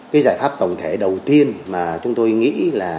cái giải pháp tổng thể đầu tiên mà chúng tôi nghĩ là